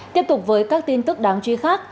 tiếp tục với các tin tức đáng truy khắc